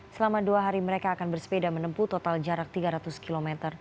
selama dua hari mereka akan bersepeda menempuh total jarak tiga ratus km